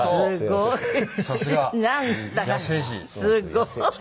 すごいね。